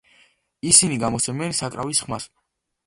ისინი გამოსცემენ საკრავის ხმას.